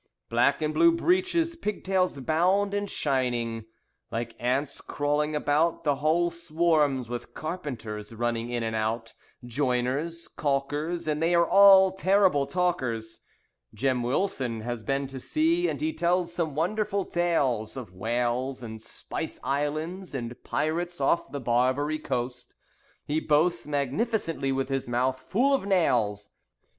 Black and blue breeches, Pigtails bound and shining: Like ants crawling about, The hull swarms with carpenters, running in and out. Joiners, calkers, And they are all terrible talkers. Jem Wilson has been to sea and he tells some wonderful tales Of whales, and spice islands, And pirates off the Barbary coast. He boasts magnificently, with his mouth full of nails.